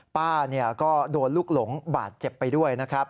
ป้าก็โดนลูกหลงบาดเจ็บไปด้วย